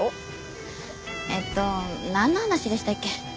えっとなんの話でしたっけ？